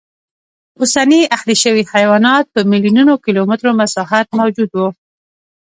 اوسني اهلي شوي حیوانات په میلیونونو کیلومترو مساحت موجود و